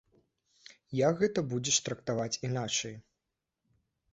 Як гэта будзеш трактаваць іначай?